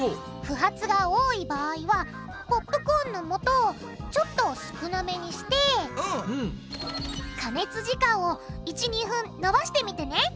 不発が多い場合はポップコーンのもとをちょっと少なめにして加熱時間を１２分のばしてみてね。